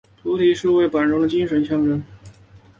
菩提树为板中的精神象征。